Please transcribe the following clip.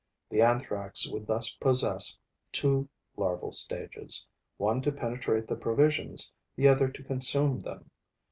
The Anthrax would thus possess two larval states: one to penetrate to the provisions; the other to consume them.